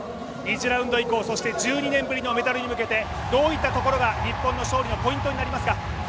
２次ラウンド以降、そして１２年ぶりのメダルに向けて、どういったところが日本の勝利のポイントになりますか？